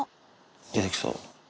出てきそう。